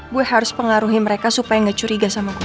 gue harus pengaruhi mereka supaya gak curiga sama gue